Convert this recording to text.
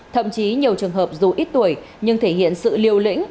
thậm chí nhiều trường hợp dù ít tuổi nhưng thể hiện sự liều lĩnh